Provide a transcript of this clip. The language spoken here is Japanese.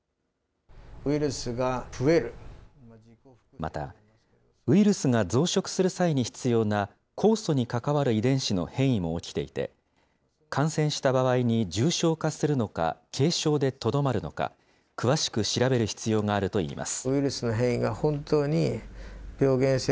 また、ウイルスが増殖する際に必要な酵素に関わる遺伝子の変異も起きていて、感染した場合に重症化するのか軽症でとどまるのか、詳しく調べる必要があるといいます。